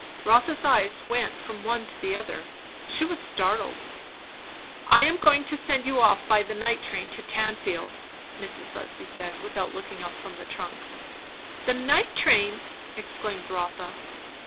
Rotha's eyes went from one to the other. She was startled. "I am going to send you off by the night train to Tanfield," Mrs. Busby said without looking up from the trunk. "The night train!" exclaimed Rotha.